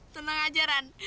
tenang aja ran